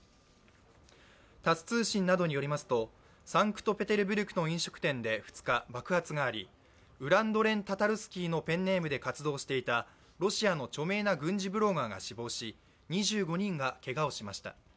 タス通信などによりますとサンクトペテルブルクの飲食店で２日、爆発があり、ウラドレン・タタルスキーのペンネームで活動していたロシアの著名な軍事ブロガーが死亡し、２５人がけがをしました。